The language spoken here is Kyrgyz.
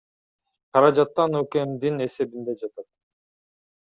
Каражаттан ӨКМдин эсебинде жатат.